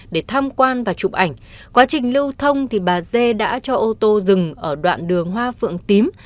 để tham quan và chụp ảnh qua trình lưu thông bà d đã cho ô tô dừng ở đoạn đường hoa phượng tím